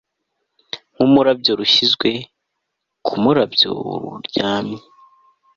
nkururabyo rushyizwe kumurabyo ruryamye